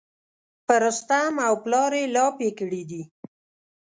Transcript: په رستم او پلار یې لاپې کړي دي.